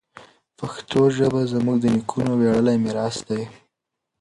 پښتو ژبه زموږ د نیکونو ویاړلی میراث ده.